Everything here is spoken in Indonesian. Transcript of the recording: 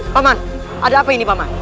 paman ada apa ini paman